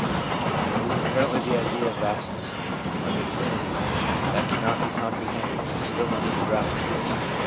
It is apparently the idea of vastness, of infinity, that cannot be comprehended, and still must be grappled with.